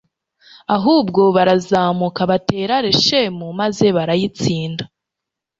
ahubwo barazamuka batera leshemu, maze barayitsinda